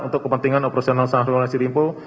untuk kepentingan operasional sahur oleh sirimpo